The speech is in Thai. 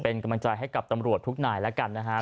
เป็นกำลังใจให้กับตำรวจทุกนายแล้วกันนะฮะ